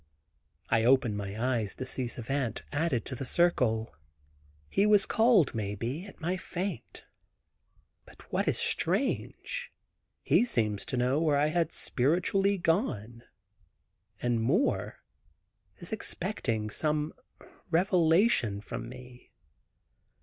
I open my eyes to see Savant added to the circle, he was called, may be, at my faint. But what is strange, he seems to know where I had spiritually gone, and more, is expecting some revelation from me.